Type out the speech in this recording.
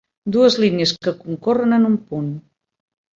Dues línies que concorren en un punt.